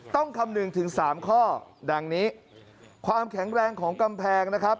คำนึงถึง๓ข้อดังนี้ความแข็งแรงของกำแพงนะครับ